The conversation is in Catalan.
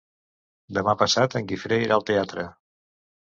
Demà passat en Guifré irà al teatre.